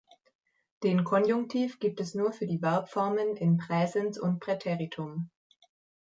Den Konjunktiv gibt es nur für die Verbformen in Präsens und Präteritum.